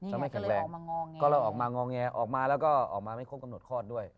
ไม่แข็งแรงก็เลยออกมางอแงออกมาแล้วก็ออกมาไม่ครบกำหนดคลอดด้วย